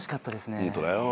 ホントだよ。